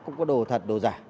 cũng có đồ thật đồ giả